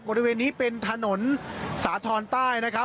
บริเวณนี้เป็นถนนสาธรณ์ใต้นะครับ